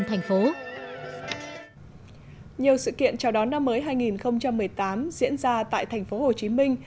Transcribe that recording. nhiều sự kiện chào đón năm mới hai nghìn một mươi tám diễn ra tại thành phố hồ chí minh